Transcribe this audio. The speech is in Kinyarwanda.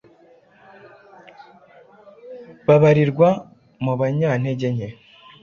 babarirwa mu banyantege nke